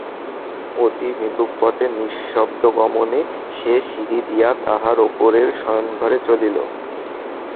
অতি মৃদুপদে নিঃশব্দগমনে সে সিঁড়ি দিয়া তাহার উপরের শয়নঘরে চলিল।